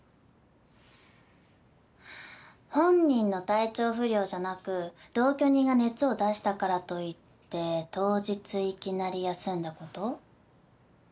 本人の体調不良じゃなく同居人が熱を出したからといって当日いきなり休んだこと？